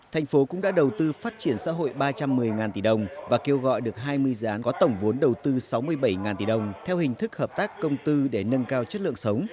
thành phố cũng đã đầu tư phát triển xã hội ba trăm một mươi tỷ đồng và kêu gọi được hai mươi dự án có tổng vốn đầu tư sáu mươi bảy tỷ đồng theo hình thức hợp tác công tư để nâng cao chất lượng sống